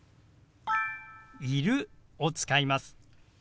「いる」を使います。